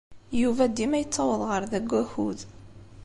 Yuba dima yettaweḍ ɣer da deg wakud.